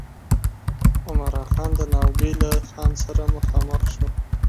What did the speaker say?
عمرا خان د ناوګي له خان سره مخامخ شو.